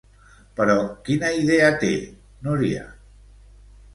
Però quina idea té, Núria?